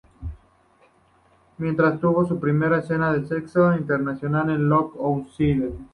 Mientras tuvo su primera escena de sexo interracial en "Look Outside".